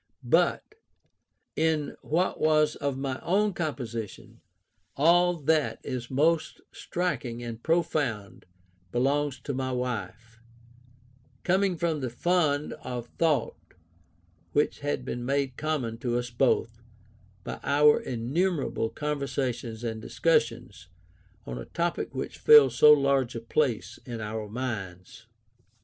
But] in what was of my own composition, all that is most striking and profound belongs to my wife; coming from the fund of thought which had been made common to us both, by our innumerable conversations and discussions on a topic which filled so large a place in our minds.